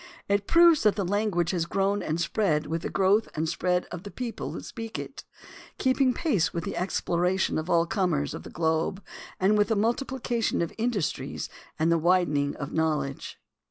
It proves that the language has grown and spread with the growth and spread of the people who speak it, keeping pace with the exploration of all comers of the globe and with the multiplication of in dustries and the widening of knowledge.